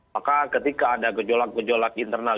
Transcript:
maka ketika ada gejolak gejolak internal